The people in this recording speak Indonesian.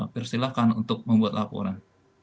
persilahkan untuk membuat laporan